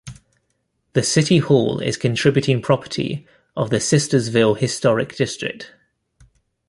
The City Hall is contributing property of the Sistersville Historic District.